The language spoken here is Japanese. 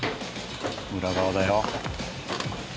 裏側だよ。